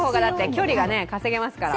距離が稼げますから。